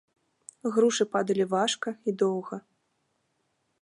Грушы падалі важка і доўга.